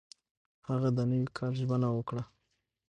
هغه د نوي کال ژمنه وکړه.